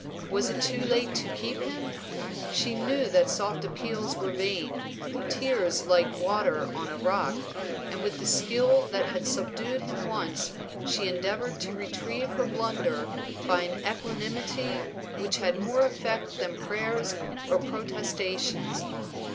Was it too late to keep him? She knew that soft appeals were vain, tears like water on a rock, and with the skill that had subdued him once she endeavored to retrieve her blunder by an equanimity which had more effect than prayers or protestations.